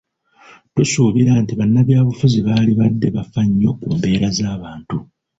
Tusuubira nti bannabyabufuzi baalibadde bafa nnyo ku mbeera z'abantu.